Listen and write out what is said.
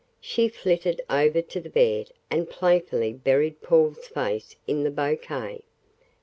She flittered over to the bed and playfully buried Paul's face in the bouquet.